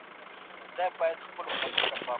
د کمال ته رسیدو لپاره ټولنیز ژوند اړین دی.